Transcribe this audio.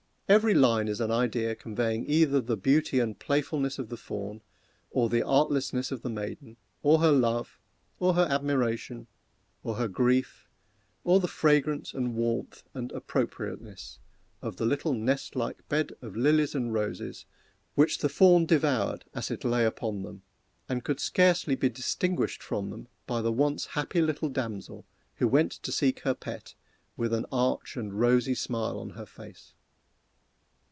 Every line is an idea conveying either the beauty and playfulness of the fawn, or the artlessness of the maiden, or her love, or her admiration, or her grief, or the fragrance and warmth and _appropriateness _of the little nest like bed of lilies and roses which the fawn devoured as it lay upon them, and could scarcely be distinguished from them by the once happy little damsel who went to seek her pet with an arch and rosy smile on her face.